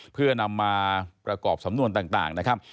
เพื่อนำมาประกอบสำนวนต่างนะครับ